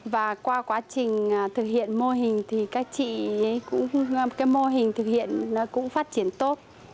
và qua quá trình thực hiện mô hình mô hình thực hiện cũng phát triển tốt